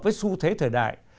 với xu thế thời đại